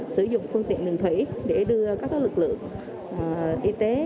sử dụng phương tiện đường thủy để đưa các lực lượng y tế